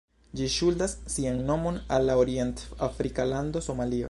Ĝi ŝuldas sian nomon al la orient-afrika lando Somalio.